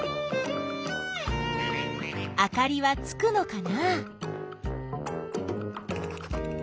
あかりはつくのかな？